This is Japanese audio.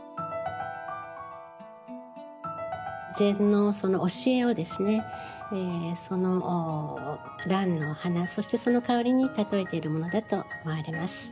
禅のその教えをですねその蘭の花そしてその香りに例えているものだと思われます。